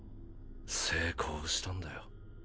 成功したんだよ。